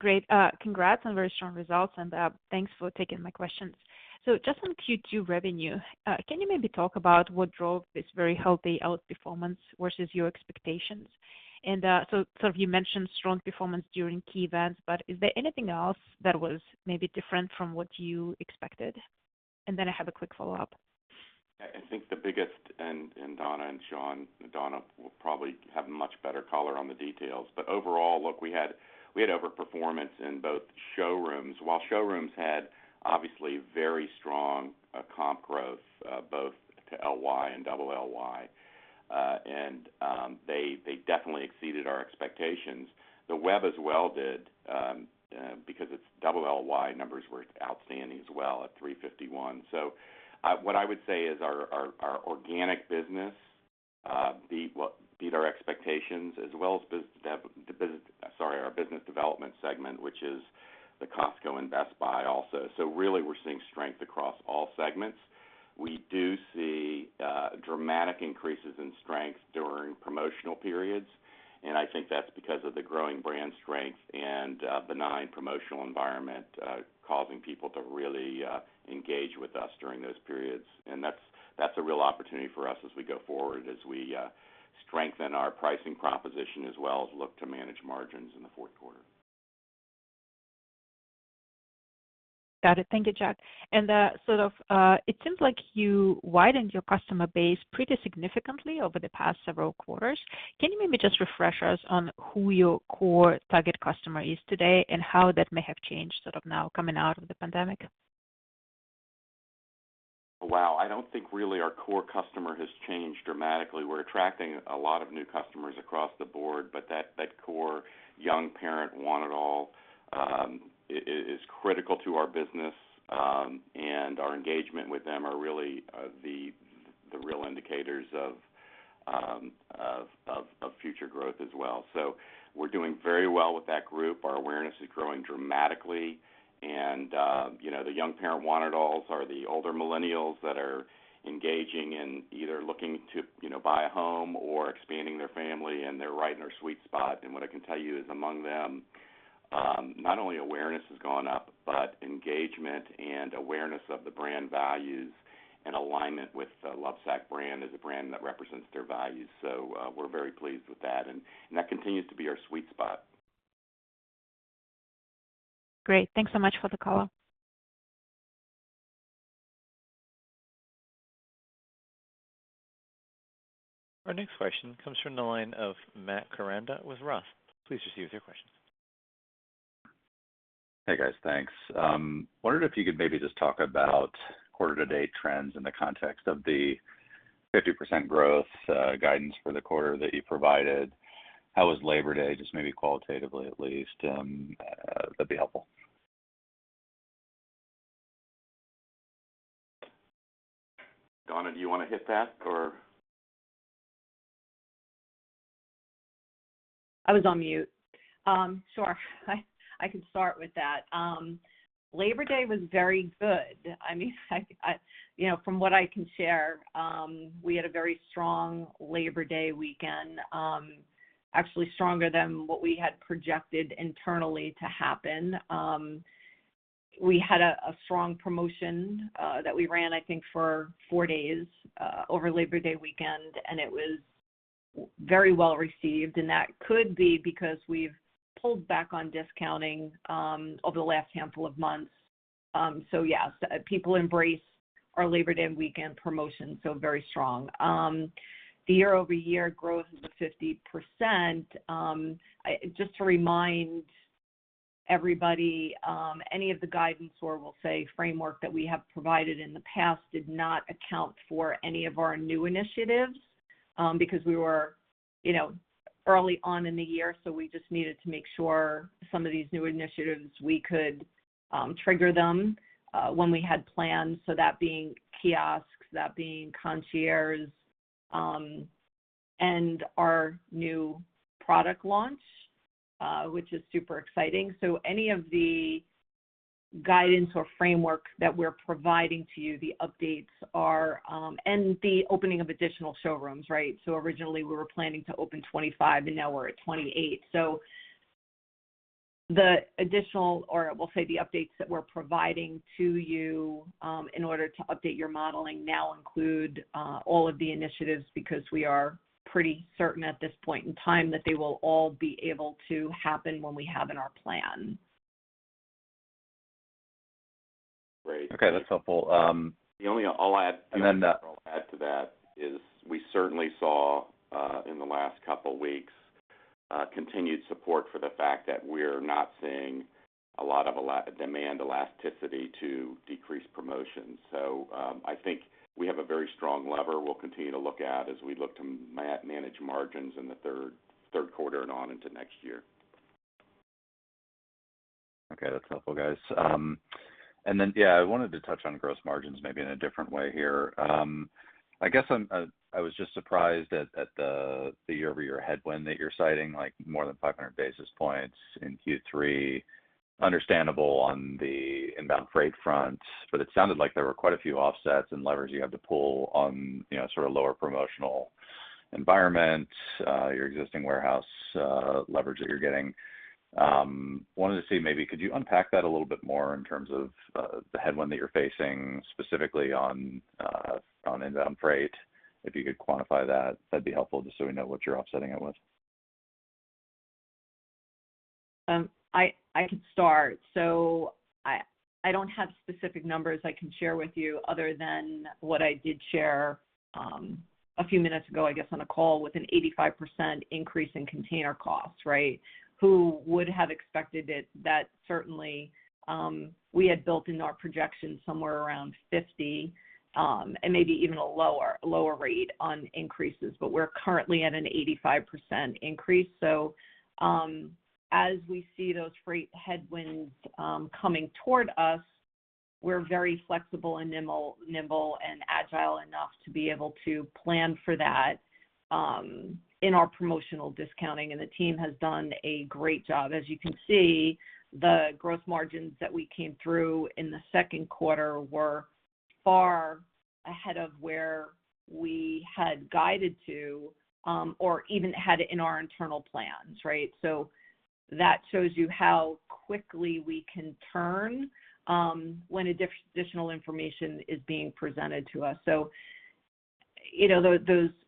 Great. Congrats on very strong results, and thanks for taking my questions. Just on Q2 revenue, can you maybe talk about what drove this very healthy outperformance versus your expectations? You mentioned strong performance during key events, but is there anything else that was maybe different from what you expected? I have a quick follow-up. I think the biggest, and Donna and Shawn, Donna will probably have much better color on the details. Overall, look, we had overperformance in both showrooms. Showrooms had obviously very strong comp growth, both to LY and double LY. They definitely exceeded our expectations. The Web as well did, because its double LLY numbers were outstanding as well at 351%. What I would say is our organic business beat our expectations as well as our business development segment, which is the Costco and Best Buy also. Really we're seeing strength across all segments. We do see dramatic increases in strength during promotional periods, I think that's because of the growing brand strength and benign promotional environment, causing people to really engage with us during those periods. That's a real opportunity for us as we go forward, as we strengthen our pricing proposition, as well as look to manage margins in the fourth quarter. Got it. Thank you, Jack. It seems like you widened your customer base pretty significantly over the past several quarters. Can you maybe just refresh us on who your core target customer is today and how that may have changed sort of now coming out of the pandemic? Wow. I don't think really our core customer has changed dramatically. We're attracting a lot of new customers across the board, that core young parent want it all is critical to our business. Our engagement with them are really the real indicators of future growth as well. We're doing very well with that group. Our awareness is growing dramatically the young parent want it alls are the older millennials that are engaging in either looking to buy a home or expanding their family, and they're right in their sweet spot. What I can tell you is among them, not only awareness has gone up, but engagement and awareness of the brand values and alignment with the Lovesac brand as a brand that represents their values. We're very pleased with that, and that continues to be our sweet spot. Great. Thanks so much for the call. Our next question comes from the line of Matt Koranda with ROTH Capital Partners. Please proceed with your question. Hey, guys. Thanks. Wondered if you could maybe just talk about quarter-to-date trends in the context of the 50% growth guidance for the quarter that you provided. How was Labor Day, just maybe qualitatively at least? That would be helpful. Donna, do you want to hit that, or? I was on mute. Sure. I can start with that. Labor Day was very good. From what I can share, we had a very strong Labor Day weekend, actually stronger than what we had projected internally to happen. We had a strong promotion that we ran, I think, for four days over Labor Day weekend, and it was very well received, and that could be because we've pulled back on discounting over the last handful of months. Yeah, people embrace our Labor Day weekend promotion, so very strong. The year-over-year growth was 50%. Just to remind everybody, any of the guidance or we'll say framework that we have provided in the past did not account for any of our new initiatives, because we were early on in the year, so we just needed to make sure some of these new initiatives, we could trigger them when we had plans. That being kiosks, that being concierges, and our new product launch, which is super exciting. Any of the guidance or framework that we're providing to you, the updates are And the opening of additional showrooms, right? Originally, we were planning to open 25, and now we're at 28. The additional, or we'll say the updates that we're providing to you, in order to update your modeling now include all of the initiatives because we are pretty certain at this point in time that they will all be able to happen when we have in our plan. Great. Okay. That's helpful. The only I'll add... And then the... I'll add to that is we certainly saw, in the last couple weeks, continued support for the fact that we're not seeing a lot of demand elasticity to decrease promotions. I think we have a very strong lever we'll continue to look at as we look to manage margins in the third quarter and on into next year. Okay. That's helpful, guys. Yeah, I wanted to touch on gross margins maybe in a different way here. I guess I was just surprised at the year-over-year headwind that you're citing, like more than 500 basis points in Q3. Understandable on the inbound freight front, it sounded like there were quite a few offsets and levers you have to pull on sort of lower promotional environment, your existing warehouse leverage that you're getting. I wanted to see maybe could you unpack that a little bit more in terms of the headwind that you're facing specifically on inbound freight? If you could quantify that'd be helpful just so we know what you're offsetting it with. I can start. I don't have specific numbers I can share with you other than what I did share, a few minutes ago, I guess, on the call with an 85% increase in container costs. Who would have expected it? That certainly, we had built into our projections somewhere around 50%, and maybe even a lower rate on increases. We're currently at an 85% increase, so as we see those freight headwinds coming toward us, we're very flexible and nimble, and agile enough to be able to plan for that in our promotional discounting. The team has done a great job. As you can see, the gross margins that we came through in the second quarter were far ahead of where we had guided to, or even had in our internal plans. That shows you how quickly we can turn, when additional information is being presented to us. Those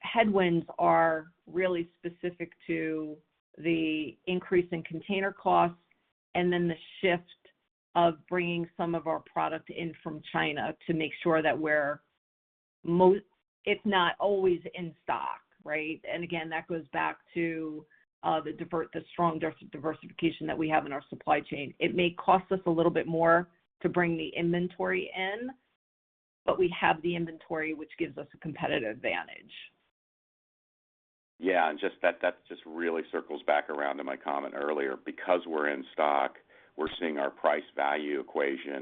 headwinds are really specific to the increase in container costs and then the shift of bringing some of our product in from China to make sure that we're most, if not always, in stock. Again, that goes back to the strong diversification that we have in our supply chain. It may cost us a little bit more to bring the inventory in, but we have the inventory, which gives us a competitive advantage. That just really circles back around to my comment earlier. Because we're in stock, we're seeing our price value equation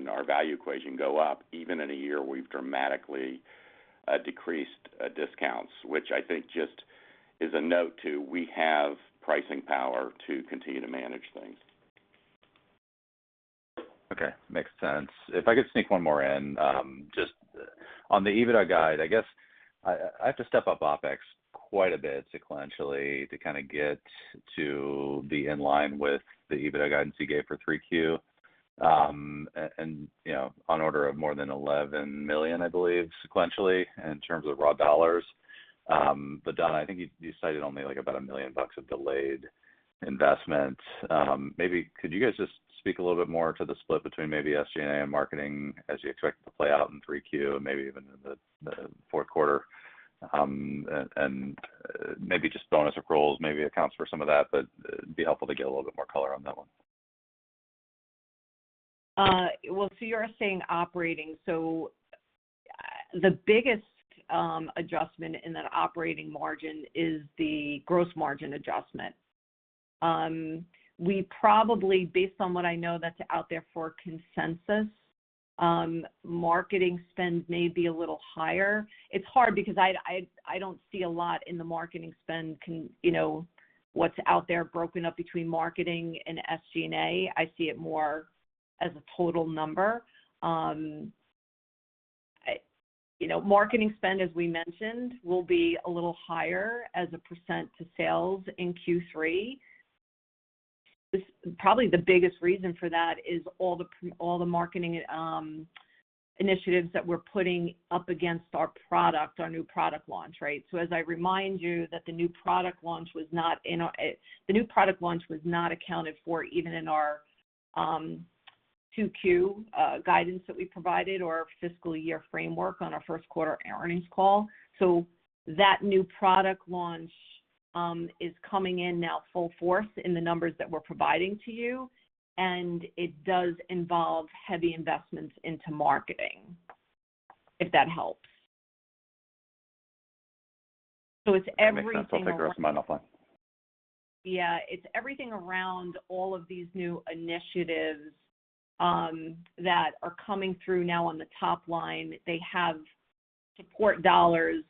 go up even in a year we've dramatically decreased discounts, which I think just is a note to we have pricing power to continue to manage things. Okay. Makes sense. If I could sneak one more in. Just on the EBITDA guide, I guess I have to step up OpEx quite a bit sequentially to get to be in line with the EBITDA guidance you gave for 3Q, on order of more than $11 million, I believe, sequentially, in terms of raw dollars. Donna, I think you cited only about $1 million of delayed investment. Maybe could you guys just speak a little bit more to the split between maybe SG&A and marketing as you expect to play out in 3Q, and maybe even in the fourth quarter? Maybe just bonus or gross maybe accounts for some of that, but it'd be helpful to get a little bit more color on that one. You're saying operating. The biggest adjustment in that operating margin is the gross margin adjustment. We probably, based on what I know that's out there for consensus, marketing spend may be a little higher. It's hard because I don't see a lot in the marketing spend, what's out there broken up between marketing and SG&A. I see it more as a total number. Marketing spend, as we mentioned, will be a little higher as a % to sales in Q3. Probably the biggest reason for that is all the marketing initiatives that we're putting up against our product, our new product launch. As I remind you that the new product launch was not accounted for, even in our 2Q guidance that we provided or our fiscal year framework on our first quarter earnings call. That new product launch is coming in now full force in the numbers that we're providing to you, and it does involve heavy investments into marketing. If that helps. That makes sense. I'll take the rest of mine offline. Yeah. It's everything around all of these new initiatives that are coming through now on the top line. They have support dollars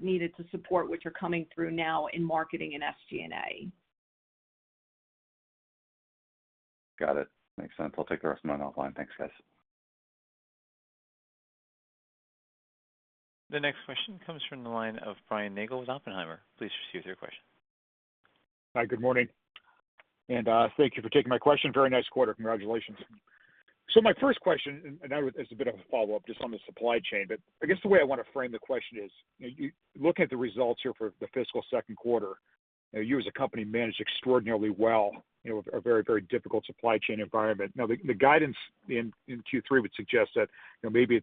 needed to support, which are coming through now in marketing and SG&A. Got it. Makes sense. I'll take the rest of mine offline. Thanks, guys. The next question comes from the line of Brian Nagel with Oppenheimer. Please proceed with your question. Hi, good morning. Thank you for taking my question. Very nice quarter, congratulations. My first question, it's a bit of a follow-up just on the supply chain. I guess the way I want to frame the question is, you look at the results here for the fiscal second quarter. You as a company managed extraordinarily well with a very difficult supply chain environment. Now, the guidance in Q3 would suggest that maybe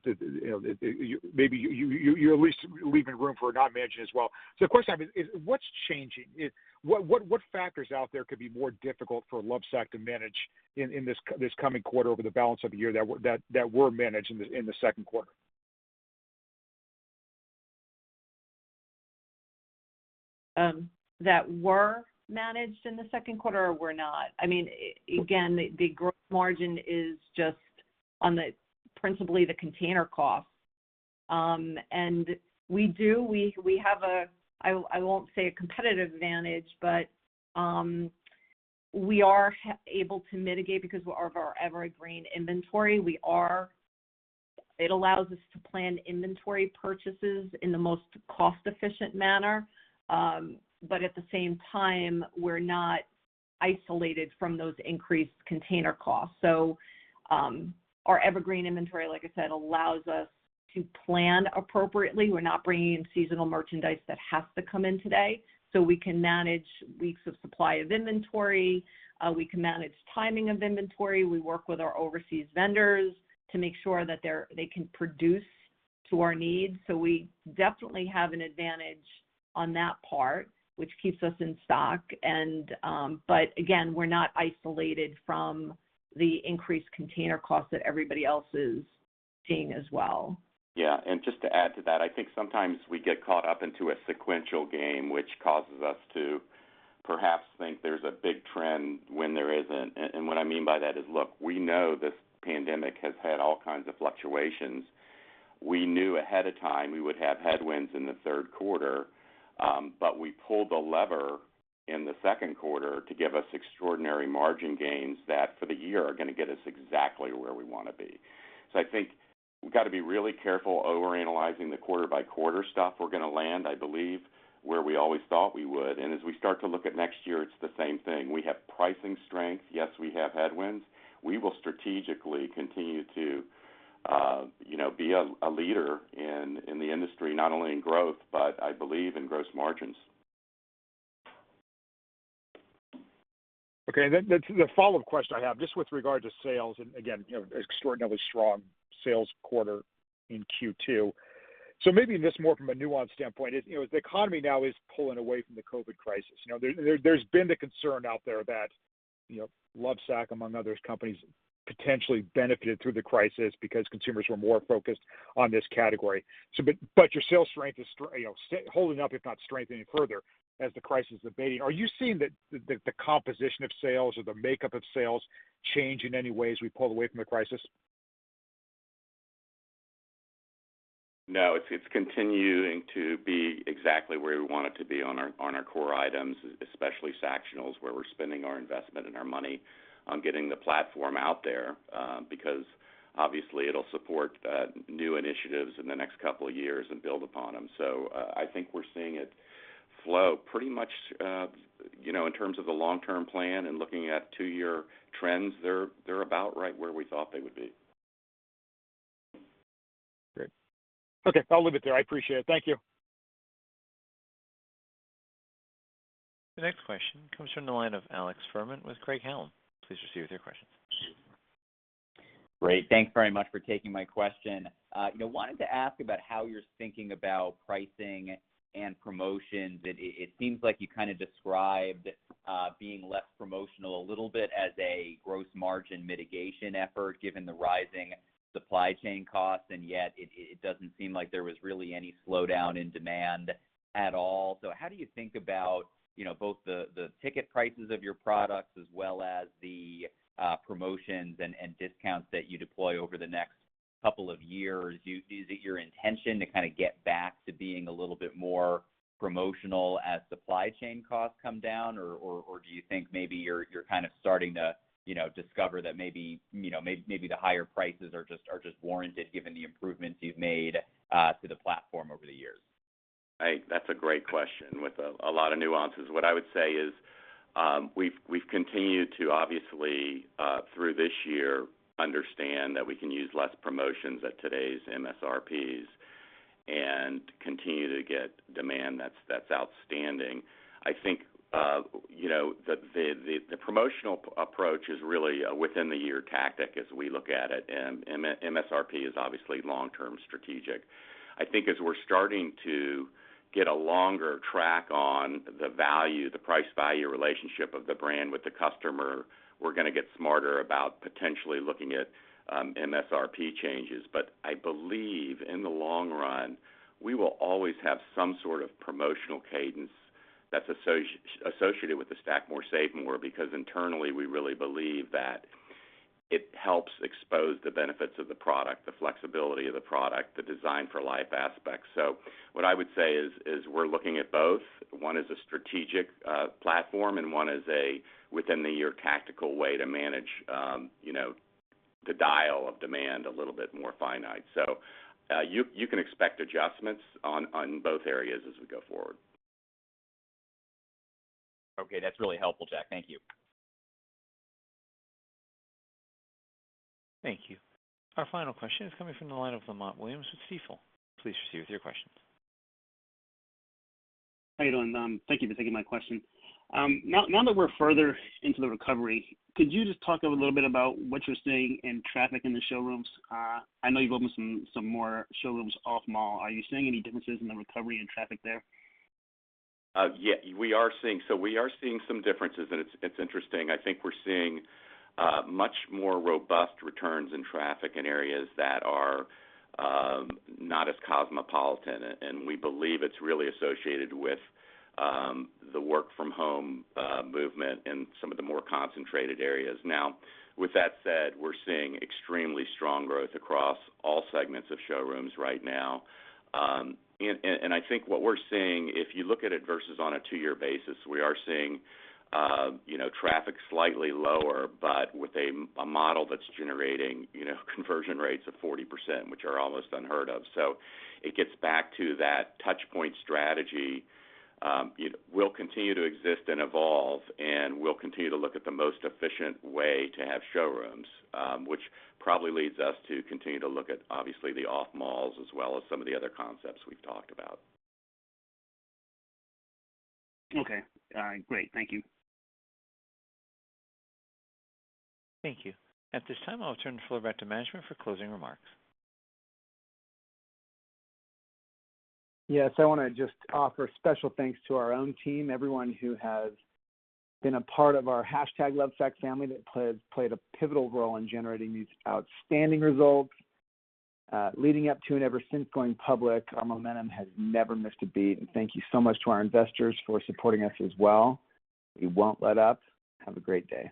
you're at least leaving room for not managing as well. The question I have is, what's changing? What factors out there could be more difficult for Lovesac to manage in this coming quarter over the balance of the year that were managed in the second quarter? That were managed in the second quarter or were not? Again, the gross margin is just on principally the container cost. We do, we have a, I won't say a competitive advantage, but we are able to mitigate because of our evergreen inventory. At the same time, we're not isolated from those increased container costs. Our evergreen inventory, like I said, allows us to plan appropriately. We're not bringing in seasonal merchandise that has to come in today. We can manage weeks of supply of inventory, we can manage timing of inventory. We work with our overseas vendors to make sure that they can produce to our needs. We definitely have an advantage on that part, which keeps us in stock. Again, we're not isolated from the increased container costs that everybody else is seeing as well. Yeah. Just to add to that, I think sometimes we get caught up into a sequential game, which causes us to perhaps think there's a big trend when there isn't. What I mean by that is, look, we know this pandemic has had all kinds of fluctuations. We knew ahead of time we would have headwinds in the third quarter, but we pulled the lever in the second quarter to give us extraordinary margin gains that, for the year, are going to get us exactly where we want to be. I think we've got to be really careful over-analyzing the quarter-by-quarter stuff. We're going to land, I believe, where we always thought we would. As we start to look at next year, it's the same thing. We have pricing strength. Yes, we have headwinds. We will strategically continue to be a leader in the industry, not only in growth, but I believe in gross margins. Okay. The follow-up question I have, just with regard to sales, and again, extraordinarily strong sales quarter in Q2. Maybe this more from a nuanced standpoint is, the economy now is pulling away from the COVID crisis. There's been the concern out there that Lovesac, among others, companies potentially benefited through the crisis because consumers were more focused on this category. Your sales strength is holding up, if not strengthening further as the crisis abates. Are you seeing the composition of sales or the makeup of sales change in any way as we pull away from the crisis? It's continuing to be exactly where we want it to be on our core items, especially Sactionals, where we're spending our investment and our money on getting the platform out there, because obviously it'll support new initiatives in the next couple of years and build upon them. I think we're seeing it flow pretty much in terms of the long-term plan and looking at two-year trends, they're about right where we thought they would be. Great. Okay, I'll leave it there. I appreciate it. Thank you. The next question comes from the line of Alex Fuhrman with Craig-Hallum. Please proceed with your question. Great. Thanks very much for taking my question. Wanted to ask about how you're thinking about pricing and promotions. It seems like you kind of described being less promotional a little bit as a gross margin mitigation effort, given the rising supply chain costs, and yet it doesn't seem like there was really any slowdown in demand at all. How do you think about both the ticket prices of your products as well as the promotions and discounts that you deploy over the next couple of years? Do you think maybe you're kind of starting to discover that maybe the higher prices are just warranted given the improvements you've made to the platform over the years? That's a great question with a lot of nuances. What I would say is we've continued to obviously, through this year, understand that we can use less promotions at today's MSRPs and continue to get demand that's outstanding. I think the promotional approach is really a within the year tactic as we look at it, and MSRP is obviously long-term strategic. I think as we're starting to get a longer track on the price-value relationship of the brand with the customer, we're going to get smarter about potentially looking at MSRP changes. I believe in the long run, we will always have some sort of promotional cadence that's associated with the Stack More Save More because internally, we really believe that it helps expose the benefits of the product, the flexibility of the product, the design for life aspect. What I would say is we're looking at both. One is a strategic platform and one is a within the year tactical way to manage the dial of demand a little bit more finite. You can expect adjustments on both areas as we go forward. Okay. That's really helpful, Jack. Thank you. Thank you. Our final question is coming from the line of Othello Lamont Williams with Stifel. Please proceed with your questions. How you doing? Thank you for taking my question. Now that we're further into the recovery, could you just talk a little bit about what you're seeing in traffic in the showrooms? I know you've opened some more showrooms off-mall. Are you seeing any differences in the recovery and traffic there? We are seeing some differences and it's interesting. I think we're seeing much more robust returns in traffic in areas that are not as cosmopolitan, and we believe it's really associated with the work from home movement in some of the more concentrated areas. Now, with that said, we're seeing extremely strong growth across all segments of showrooms right now. I think what we're seeing, if you look at it versus on a two-year basis, we are seeing traffic slightly lower, but with a model that's generating conversion rates of 40%, which are almost unheard of. It gets back to that touch point strategy will continue to exist and evolve, and we'll continue to look at the most efficient way to have showrooms, which probably leads us to continue to look at, obviously, the off malls as well as some of the other concepts we've talked about. Okay. All right. Great. Thank you. Thank you. At this time, I'll turn the floor back to management for closing remarks. Yes, I want to just offer special thanks to our own team, everyone who has been a part of our Lovesac family that played a pivotal role in generating these outstanding results. Leading up to and ever since going public, our momentum has never missed a beat, and thank you so much to our investors for supporting us as well. We won't let up. Have a great day.